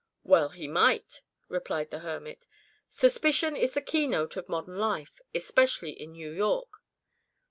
"Well he might," replied the hermit. "Suspicion is the key note of modern life especially in New York."